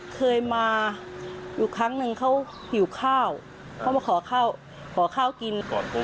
เขาอุ้มท้องหรืออะไรอย่างนี้เดินลงมามาด้วย